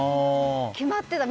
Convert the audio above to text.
決まってた。